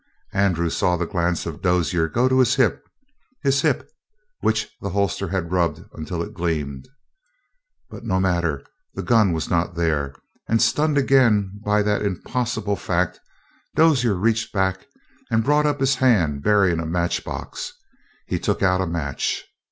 Andrew saw the glance of Dozier go to his hip his hip which the holster had rubbed until it gleamed. But no matter the gun was not there and stunned again by that impossible fact Dozier reached back and brought up his hand bearing a match box. He took out a match.